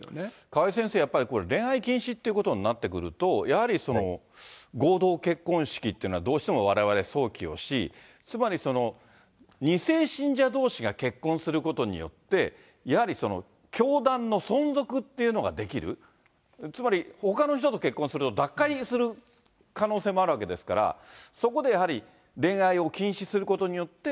川井先生、やっぱり恋愛禁止っていうことになってくると、やはり合同結婚式っていうのは、どうしてもわれわれ想起をし、つまり２世信者どうしが結婚することによって、やはり教団の存続っていうのができる、つまりほかの人と結婚すると、脱会する可能性もあるわけですから、そこでやはり恋愛を禁止することによって、